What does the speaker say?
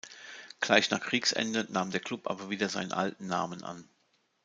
Gleich nach Kriegsende nahm der Klub aber wieder seinen alten Namen an.